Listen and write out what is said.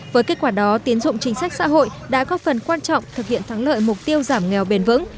với kết quả đó tiến dụng chính sách xã hội đã có phần quan trọng thực hiện thắng lợi mục tiêu giảm nghèo bền vững